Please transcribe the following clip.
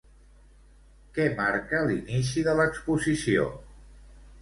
Què marca l'inici de l'exposició?